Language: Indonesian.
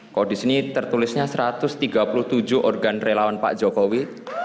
kalau di sini tertulisnya satu ratus tiga puluh tujuh organ relawan pak jokowi